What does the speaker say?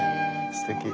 すてき。